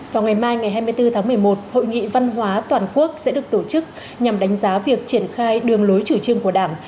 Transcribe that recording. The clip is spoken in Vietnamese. vào ngày mai ngày hai mươi bốn tháng một mươi một hội nghị văn hóa toàn quốc sẽ được tổ chức nhằm đánh giá việc triển khai đường lối chủ trương của đảng